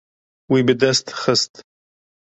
Wî bi dest xist.